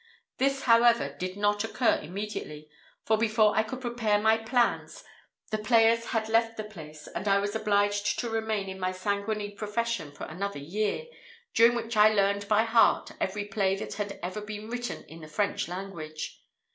This, however, did not occur immediately, for before I could prepare my plans the players had left the place, and I was obliged to remain in my sanguinary profession for another year, during which I learned by heart every play that had ever been written in the French language.